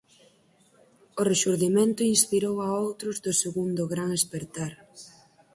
O rexurdimento inspirou a outros do Segundo Gran Espertar.